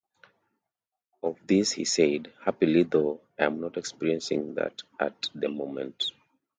Of this he said, Happily, though, I'm not experiencing that at the moment.